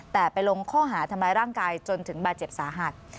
แต่ไปลงข้อหาทำร้ายร่างกายจนถึงบาดเจ็บสาหัส